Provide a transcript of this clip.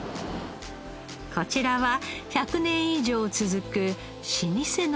こちらは１００年以上続く老舗の寿司店。